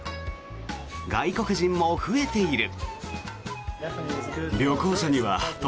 外国人も増えている。